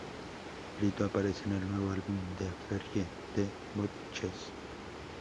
Rita aparece en el nuevo álbum de Fergie, "The Dutchess".